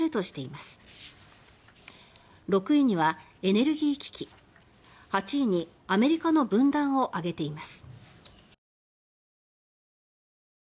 また６位には「エネルギー危機」８位に「アメリカの分断」を挙げています。